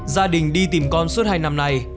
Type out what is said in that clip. gia đình đi tìm con suốt hai năm nay